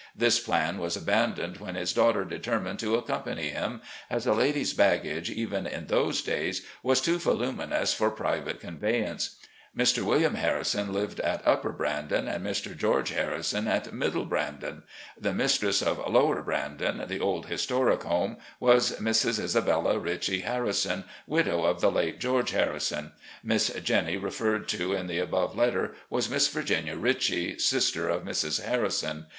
This plan was abandoned when his daughter determined to accompany him, as a lady's baggage, even in those days, ■was too voluminous for pri vate conveyance. Mr. Wm. Harrison lived at "Upper Brandon " and Mr. George Harrison at " Middle Brandon. " 'The mistress of " Lower Brandon," the old historic home, was Mrs. Isabella Ritchie Harrison, widow of the late George Harrison. Miss Jennie, referred to in the above letter, was Miss Virginia Ritchie, sister of Mrs. Harrison.